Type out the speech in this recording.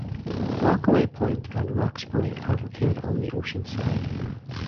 Rockaway Point and Roxbury are located on the ocean side.